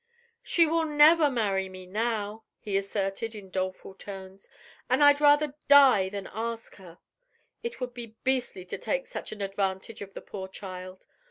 "She will never marry me now," he asserted in doleful tones, "and I'd rather die than ask her. It would be beastly to take such an advantage of the poor child.